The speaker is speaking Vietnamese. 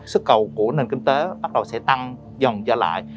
sức cầu của nền kinh tế bắt đầu sẽ tăng dần gia lại